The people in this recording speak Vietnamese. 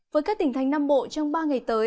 với các tỉnh thành nam bộ trong ba ngày tới